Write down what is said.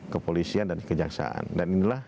kepolisian dan kejaksaan dan inilah